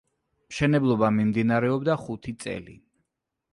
მშენებლობა მიმდინარეობდა ხუთი წელი.